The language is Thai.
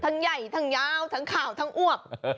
ใหญ่ทั้งยาวทั้งขาวทั้งอ้วก